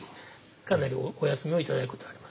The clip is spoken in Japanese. かなりお休みを頂いたことがあります。